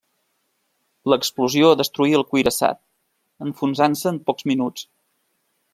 L'explosió destruí el cuirassat, enfonsant-se en pocs minuts.